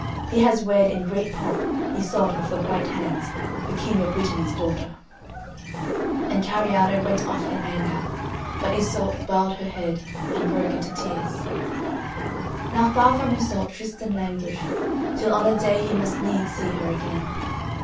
He has wed in great pomp Iseult of the White Hands, the King of Brittany's daughter.'' And Kariado went off in anger, but Iseult bowed her head and broke into tears. Now far from Iseult, Tristan languished, till on a day he must needs see her again.